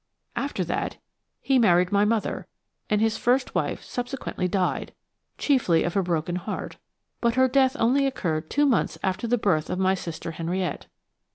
After that, he married my mother, and his first wife subsequently died, chiefly of a broken heart; but her death only occurred two months after the birth of my sister Henriette.